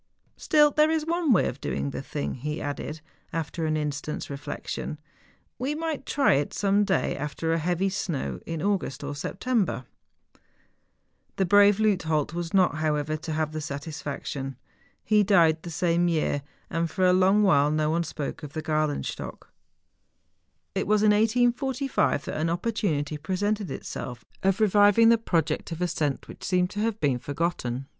Still there is one way of doing the thing,' he added, after an instant's reflection, ' we might try it some day after a heavy snow, in August or September.' The brave Leuthold was not, however, to have tlie satisfaction. He died the same year ; and for a long while no one spoke of the Gralenstock. It was in 1845 that an opportunity presented itself of reviving the project of ascent which seemed to have been forgotten.